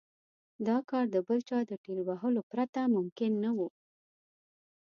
دا کار د بل چا د ټېل وهلو پرته ممکن نه و.